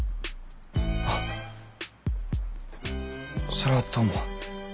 それはどうも。